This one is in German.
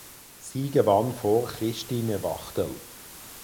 Sie gewann vor Christine Wachtel.